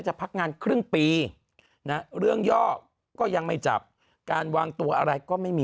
เช่นนี้ชาย